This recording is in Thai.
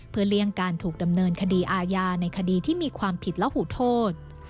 เพื่อเลี่ยงการถูกดำเนินคดีอาญาในคดีที่มีความผิดและหูโทษ